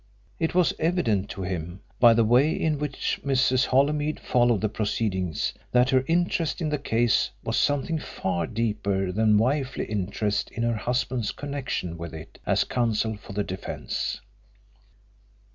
It was evident to him by the way in which Mrs. Holymead followed the proceedings that her interest in the case was something far deeper than wifely interest in her husband's connection with it as counsel for the defence.